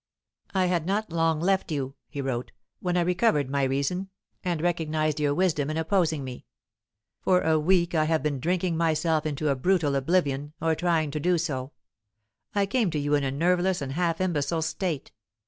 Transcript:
"I had not long left you," he wrote, "when I recovered my reason, and recognized your wisdom in opposing me. For a week I have been drinking myself into a brutal oblivion or trying to do so; I came to you in a nerveless and half imbecile state.